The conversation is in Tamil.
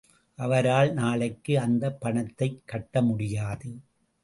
அவரால் நாளைக்கு அந்தப் பணத்தைக் கட்ட முடியாது.